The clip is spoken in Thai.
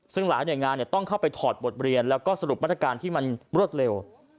ซึ่งหลายหน่วยงานต้องเข้าไปถอดบทเรียนแล้วก็สรุปมาตรการที่มันรวดเร็ว